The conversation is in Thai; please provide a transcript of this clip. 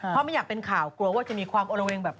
เพราะไม่อยากเป็นข่าวกลัวว่าจะมีความโอละเวงแบบ